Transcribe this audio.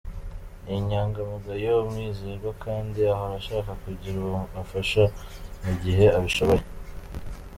Ni inyangamugayo, umwizerwa kandi ahora ashaka kugira uwo afasha mu gihe abishoboye.